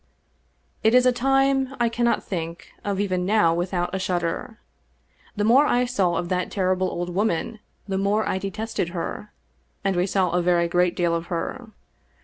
It is a time I cannot think of even now without a shud der. The more I saw of that terrible old woman the more I detested her, and we saw a very great deal of her.